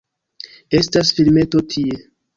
Estas filmeto tie